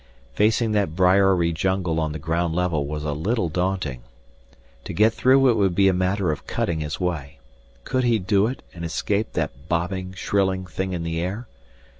Facing that briary jungle on the ground level was a little daunting. To get through it would be a matter of cutting his way. Could he do it and escape that bobbing, shrilling thing in the air?